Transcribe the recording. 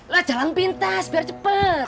lah jalan pintas biar cepat